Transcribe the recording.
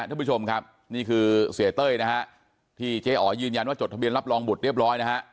ท่านผู้ชมครับนี่คือเสียเต้ยนะฮะที่เจ๊อ๋อยืนยันว่าจดทะเบียนรับรองบุตรเรียบร้อยนะฮะ